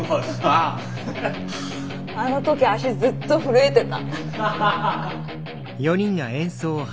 あの時足ずっと震えてた。